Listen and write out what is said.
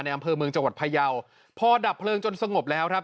อำเภอเมืองจังหวัดพยาวพอดับเพลิงจนสงบแล้วครับ